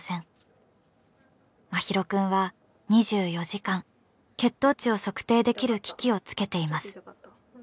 真浩くんは２４時間血糖値を測定できる機器をつけています。